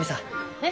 えっ？